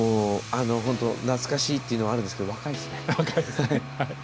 懐かしいっていうのはあるんですけど、若いですね。